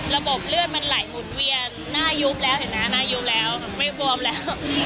ระบบเลือดมันไหลหมุนเวียนหน้ายุบแล้วเห็นไหมหน้ายุบแล้วไม่บวมแล้ว